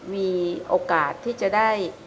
มีโอกาสที่จะได้